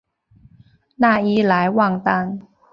讷伊莱旺丹。